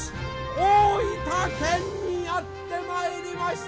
大分県にやってまいりました！